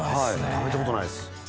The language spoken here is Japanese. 食べたことないっす。